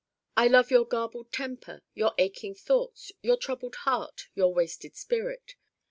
I love your garbled temper, your aching thoughts, your troubled Heart, your wasted spirit.